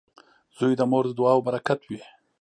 • زوی د مور د دعاو برکت وي.